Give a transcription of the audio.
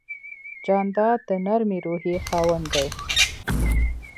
جانداد د نرمې روحیې خاوند دی.